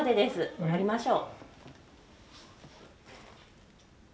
乗りましょう。